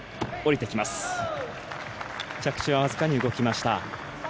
着地は僅かに動きました。